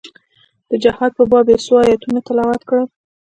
د جهاد په باب يې څو ايتونه تلاوت کړل.